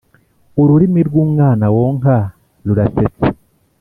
Ururimi rw umwana Wonka rurasetsa